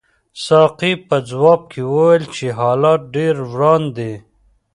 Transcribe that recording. ساقي په ځواب کې وویل چې حالات ډېر وران دي.